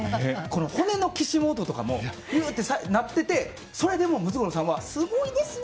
骨のきしむ音とかも鳴っててそれでもムツゴロウさんはすごいですね！